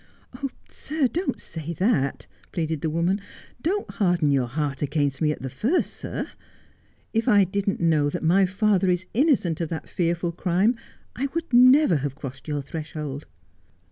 ' Oh, sir, don't say that/ pleaded the woman ;' don't harden your heart against me at the first, sir. If I didn't know that my father is innocent of that fearful crime I would never have crossed your threshold.'